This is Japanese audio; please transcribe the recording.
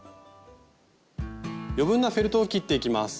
余分なフェルトを切っていきます。